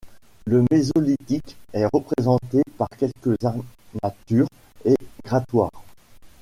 Le Mésolithique est représenté par quelques armatures et grattoirs.